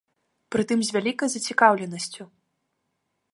Прытым з вялікай зацікаўленасцю.